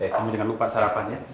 kamu jangan lupa sarapan ya